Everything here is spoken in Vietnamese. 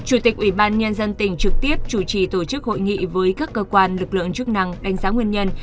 chủ tịch ubnd tỉnh trực tiếp chủ trì tổ chức hội nghị với các cơ quan lực lượng chức năng đánh giá nguyên nhân